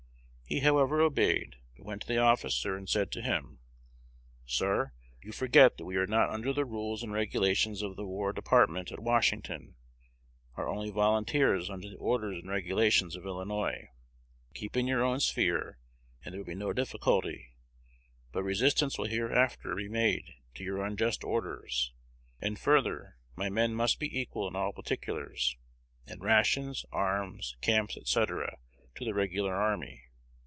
He, however, obeyed, but went to the officer and said to him, 'Sir, you forget that we are not under the rules and regulations of the War Department at Washington; are only volunteers under the orders and regulations of Illinois. Keep in your own sphere, and there will be no difficulty; but resistance will hereafter be made to your unjust orders: and, further, my men must be equal in all particulars, in rations, arms, camps, &c., to the regular army.